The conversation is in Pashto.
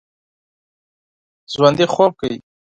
ژوندي خوب کوي